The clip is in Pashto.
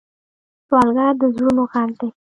سوالګر د زړونو غږ دی